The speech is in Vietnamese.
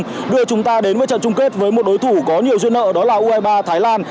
tuyển số một đưa chúng ta đến với trận chung kết với một đối thủ có nhiều duyên nợ đó là u hai mươi ba thái lan